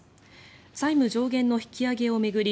債務上限の引き上げを巡り